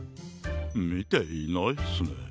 みていないっすね。